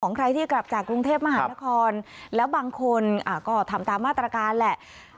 ใครที่กลับจากกรุงเทพมหานครแล้วบางคนก็ทำตามมาตรการแหละ